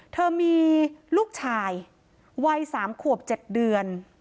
เธอมีลูกชายวัย๓ขวบ๗เดือน